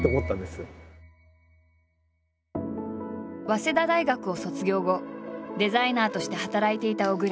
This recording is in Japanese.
早稲田大学を卒業後デザイナーとして働いていた小倉。